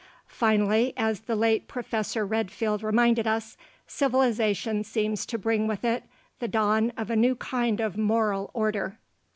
Finally, as the late Professor Redfield reminded us, civilization seems to bring with it the dawn of a new kind of moral order.